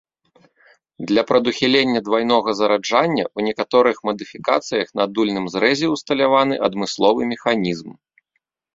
Для прадухілення двайнога зараджання ў некаторых мадыфікацыях на дульным зрэзе усталяваны адмысловы механізм.